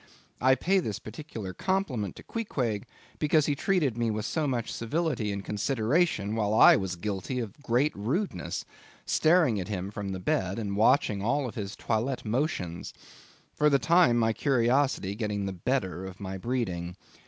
I pay this particular compliment to Queequeg, because he treated me with so much civility and consideration, while I was guilty of great rudeness; staring at him from the bed, and watching all his toilette motions; for the time my curiosity getting the better of my breeding.